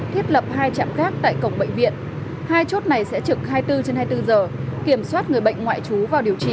thiết lập hai trạm khác tại cổng bệnh viện hai chốt này sẽ trực hai mươi bốn trên hai mươi bốn giờ kiểm soát người bệnh ngoại trú vào điều trị